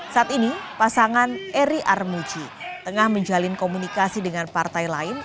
saat ini pasangan eri armuji tengah menjalin komunikasi dengan partai lain